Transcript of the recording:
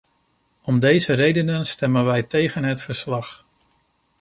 Om deze redenen stemmen wij tegen het verslag.